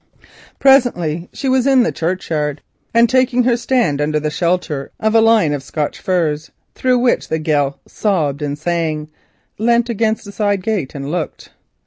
Presently she was in the churchyard. Taking her stand under the shelter of a line of Scotch firs, through which the gale sobbed and sang, she leant against a side gate and looked.